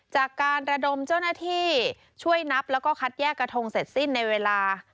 จากการระดมเจ้าหน้าที่ช่วยนับแล้วก็คัดแยกกระทงเสร็จสิ้นในเวลา